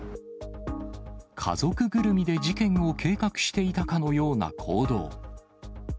家族ぐるみで事件を計画していたかのような行動。